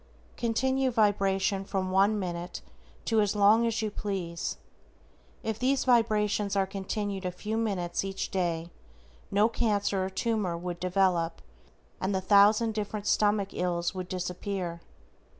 Continue vibration from one minute to as long as you please. If these vibrations are continued a few minutes each day, no cancer or tumor would ever develop, and the thousand different stomach ills would disappear.